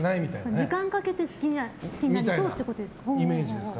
時間をかけて好きになりそうってことですか。